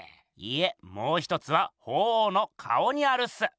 いえもう一つは鳳凰の顔にあるっす。